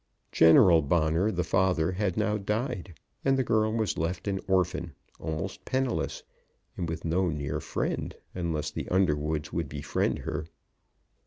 General Bonner, the father, had now died, and the girl was left an orphan, almost penniless, and with no near friend unless the Underwoods would befriend her.